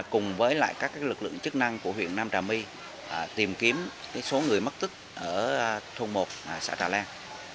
cùng với các lực lượng chức năng của huyện nam trà my tìm kiếm số người mất tích ở thôn một xã trà leng